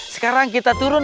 sekarang kita turun